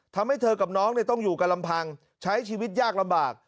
ทำให้เธอกับน้องต้องอยู่กันลำพังใช้ชีวิตยากลำบาก